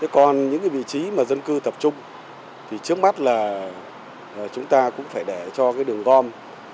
còn những vị trí mà dân cư tập trung thì trước mắt là chúng ta cũng phải để cho đường gom